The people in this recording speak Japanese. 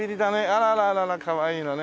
あらあらあらかわいいのね。